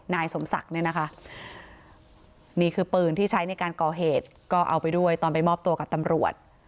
นี่คือปืนที่ใช้ในการก่อเหตุก็เอาไปด้วยตอนไปมอบตัวกับตำรวจ